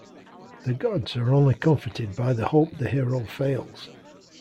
The gods are only comforted by the hope the hero fails.